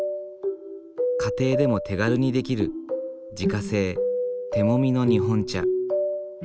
家庭でも手軽に出来る自家製手もみの日本茶。